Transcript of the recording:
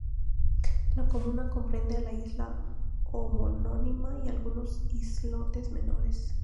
La comuna comprende la isla homónima y algunos islotes menores.